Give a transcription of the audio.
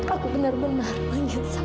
aku benar benar menyesal